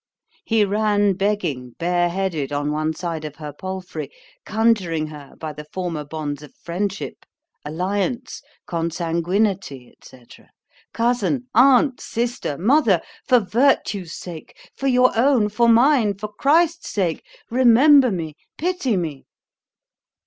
He ran begging bare headed on one side of her palfrey, conjuring her by the former bonds of friendship, alliance, consanguinity, &c.——Cousin, aunt, sister, mother,——for virtue's sake, for your own, for mine, for Christ's sake, remember me——pity me.